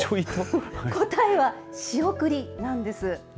答えは仕送りなんです。